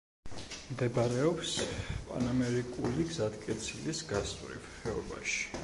მდებარეობს პანამერიკული გზატკეცილის გასწვრივ, ხეობაში.